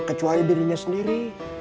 kecuali dirinya sendiri